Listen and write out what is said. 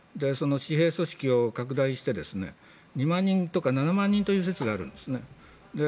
その私兵組織を拡大して２万人とか７万人という説があるんですね。